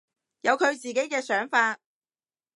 有佢自己嘅想法